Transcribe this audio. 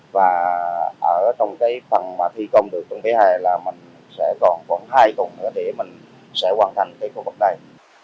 và ở trong cái phần mà thi công được tuần thứ hai là mình sẽ còn hai phần nữa để mình sẽ hoàn thành cái khu vực này